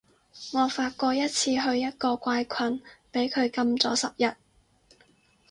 我發過一次去一個怪群，畀佢禁咗十日